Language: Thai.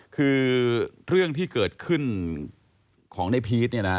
คือเรื่องที่เกิดขึ้นของในพีชเนี่ยนะ